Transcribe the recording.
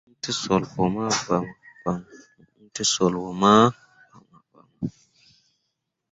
Mo iŋ ten sul ɓo mo bama bama.